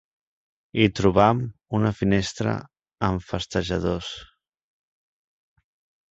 Hi trobam una finestra amb festejadors.